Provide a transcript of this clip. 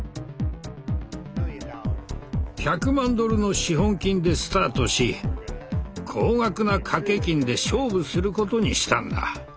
１００万ドルの資本金でスタートし高額な賭け金で勝負することにしたんだ。